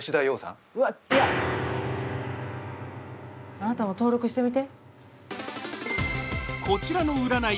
あなたも登録してみて。